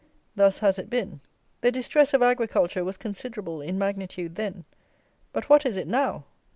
Thus has it been. The distress of agriculture was considerable in magnitude then; but what is it now?